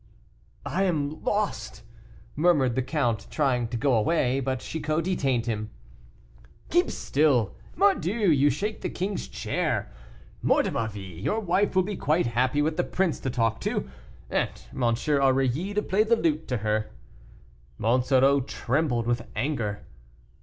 "I am lost!" murmured the count, trying to go away. But Chicot detained him. "Keep still; mordieu! you shake the king's chair. Mort de ma vie, your wife will be quite happy with the prince to talk to, and M. Aurilly to play the lute to her." Monsoreau trembled with anger.